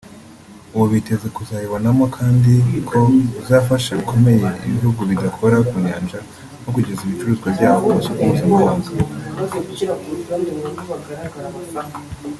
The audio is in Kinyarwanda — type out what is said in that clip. ubu biteze kuzayibonamo kandi ko bizafasha bikomeye ibihugu bidakora ku nyanja mu kugeza ibicuruzwa byabo ku masoko mpuzamahanga